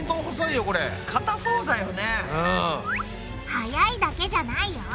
早いだけじゃないよ。